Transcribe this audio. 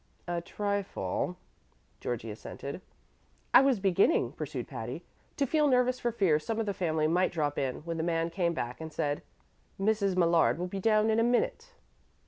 "A trifle," Georgie assented. "I was beginning," pursued Patty, "to feel nervous for fear some of the family might drop in, when the man came back and said, 'Mrs. Millard will be down in a minute.'